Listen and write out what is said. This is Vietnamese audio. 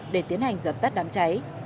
để tiến hành dập tắt đám cháy